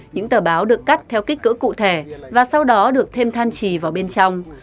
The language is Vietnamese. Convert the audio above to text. những tờ báo được cắt theo kích cỡ cụ thể và sau đó được thêm than trì vào bên trong